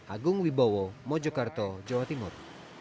agung wibowo mojokerto jawa timur